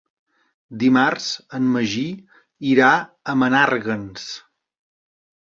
Dimarts en Magí irà a Menàrguens.